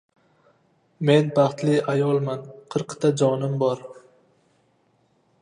Men baxtli ayolman, qirqta jonim bor